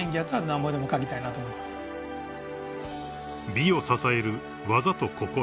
［美を支える技と心］